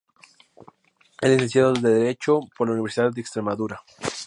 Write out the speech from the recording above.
Es licenciado en Derecho por la Universidad de Extremadura.